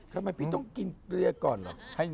ทำไมพี่ต้องกินเกลือก่อนเหรอ